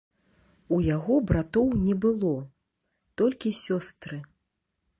У яго братоў не было, толькі сёстры.